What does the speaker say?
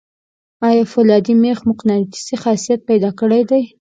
آیا فولادي میخ مقناطیسي خاصیت پیدا کړی دی؟